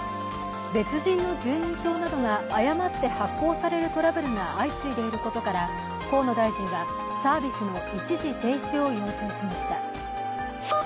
別人の住民票などが誤って発行されるトラブルが相次いでいることから、河野大臣はサービスの一時停止を要請しました。